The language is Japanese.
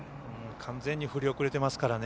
完全に振り遅れてますからね。